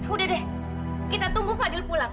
udah deh kita tunggu fadil pulang